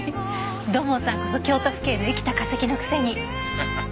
土門さんこそ京都府警の生きた化石のくせに。